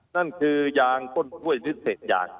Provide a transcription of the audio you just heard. นั่นคือยางต้นกล้วยหรือเศษยาง